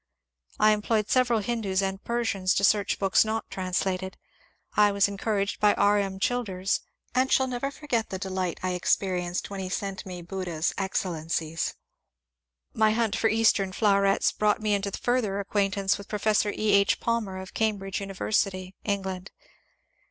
^ I employed several Hindus and Persians to search books not translated. I was encouraged by R. M. Childers, and shall never forget the delight I experienced when he sent me Buddha's ^^Excellencies." My hunt for Eastern flowerets brought me into further acquaintance with Professor E. H. Palmer of Cambridge University (England).